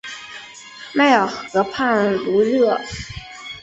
迈尔河畔卢热。